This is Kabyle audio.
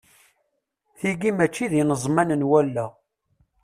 Tiyi mačči d ineẓman n wallaɣ.